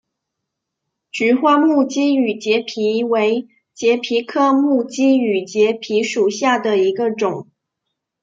菊花木畸羽节蜱为节蜱科木畸羽节蜱属下的一个种。